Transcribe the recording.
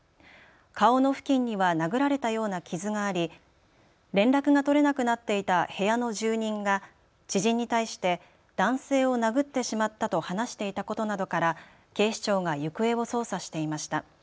顔の付近には殴られたような傷があり連絡が取れなくなっていた部屋の住人が知人に対して男性を殴ってしまったと話していたことなどから警視庁が行方を捜査していました。